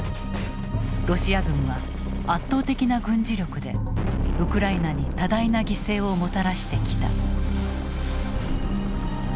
ロシア軍は圧倒的な軍事力でウクライナに多大な犠牲をもたらしてきた。